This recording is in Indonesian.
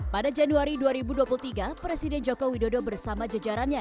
pada januari dua ribu dua puluh tiga presiden joko widodo bersama jejarannya